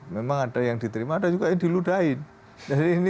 memang ada yang diterima ada juga yang diludain